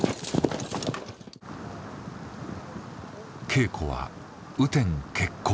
稽古は雨天決行。